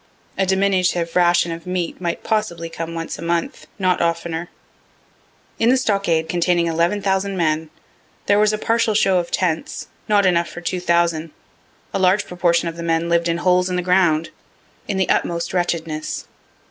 A diminutive ration of meat might possibly come once a month, not oftener. In the stockade, containing the 11,000 men, there was a partial show of tents, not enough for 2000. A large proportion of the men lived in holes in the ground, in the utmost wretchedness.